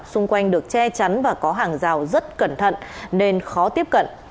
xung quanh được che chắn và có hàng rào rất cẩn thận nên khó tiếp cận